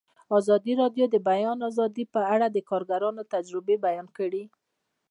ازادي راډیو د د بیان آزادي په اړه د کارګرانو تجربې بیان کړي.